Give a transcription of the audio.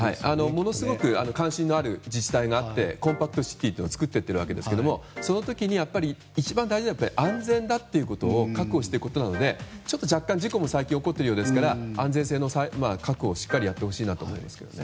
ものすごく関心のある自治体が合ってコンパクトシティを作っていってるわけですが一番大事なのは安全ということを確保することなのでちょっと事故も最近起こっているようですから安全性の確保をしっかりやってほしいなと思います。